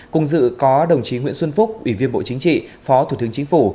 cùng dự có đồng chí nguyễn xuân phúc ủy viên bộ chính trị phó thủ tướng chính phủ